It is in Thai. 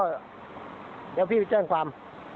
เดี๋ยวพี่ไปแจ้งความ